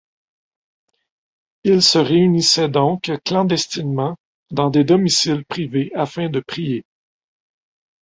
Ils se réunissaient donc clandestinement dans des domiciles privés afin de prier.